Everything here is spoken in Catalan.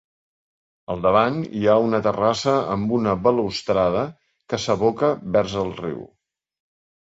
Al davant hi ha una terrassa amb una balustrada que s'aboca vers el riu.